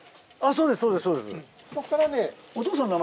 そうですそうです。